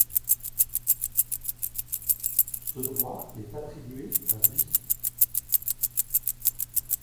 Ce droit est attribué à vie.